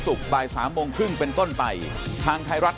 สวัสดีครับ